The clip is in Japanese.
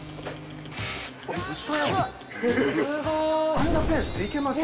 あんなペースでいけます？